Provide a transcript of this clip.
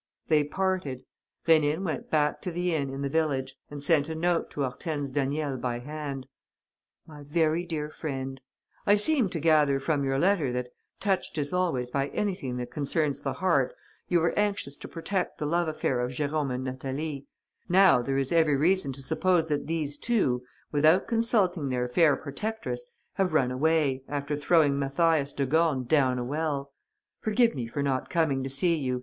They parted. Rénine went back to the inn in the village and sent a note to Hortense Daniel by hand: "MY VERY DEAR FRIEND, "I seemed to gather from your letter that, touched as always by anything that concerns the heart, you were anxious to protect the love affair of Jérôme and Natalie. Now there is every reason to suppose that these two, without consulting their fair protectress, have run away, after throwing Mathias de Gorne down a well. "Forgive me for not coming to see you.